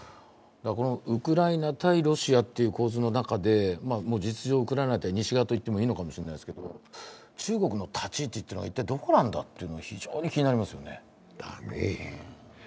ウクライナ対ロシアという構図の中で、実情、ウクライナと西側といってもいいのかもしれないけど、中国の立ち位置がどこまでなのか非常に気になりますよね。